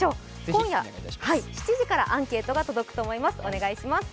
今夜７時からアンケートが届くと思います、お願いします。